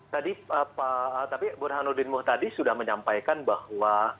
tadi pak tapi burhanuddin muhtadi sudah menyampaikan bahwa